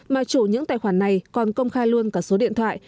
mà chủ những tài khoản này còn công khai luôn cả số điện thoại